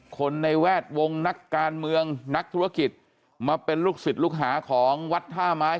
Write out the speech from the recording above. คนในแวดวงนักการเมืองนักธุรกิจมาเป็นลูกศิษย์ลูกหาของวัดท่าไม้